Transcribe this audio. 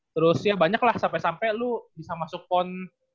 terus ya banyak lah sampe sampe lu bisa masuk pon dua ribu enam belas